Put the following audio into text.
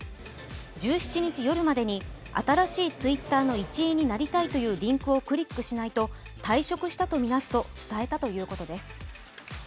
１７日夜までに、「新しいＴｗｉｔｔｅｒの一員になりたい」というリンクをクリックしないと退職したとみなすと伝えたということです。